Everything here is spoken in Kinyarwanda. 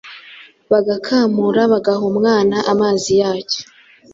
bagakamura bagaha umwana amazi yacyo